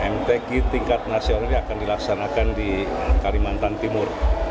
mtk tingkat nasional ini akan dilaksanakan di kalimantan timur